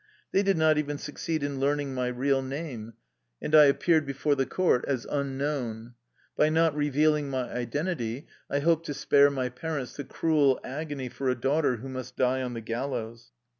They did not even succeed in learning my real name, and I appeared before 151 THE LIFE STOEY OF A EUSSIAN EXILE the court as " Unknown." By not revealing my identity I hoped to spare my parents the cruel agony for a daughter who must die on the gal lows.